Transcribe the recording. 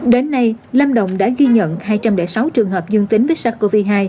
đến nay lâm đồng đã ghi nhận hai trăm linh sáu trường hợp dương tính với sars cov hai